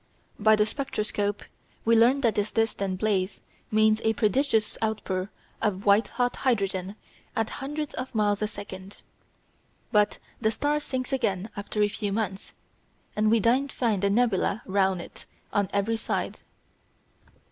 By the spectroscope we learn that this distant blaze means a prodigious outpour of white hot hydrogen at hundreds of miles a second. But the star sinks again after a few months, and we then find a nebula round it on every side.